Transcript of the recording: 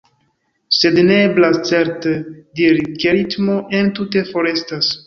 Sed ne eblas, certe, diri, ke ritmo entute forestas.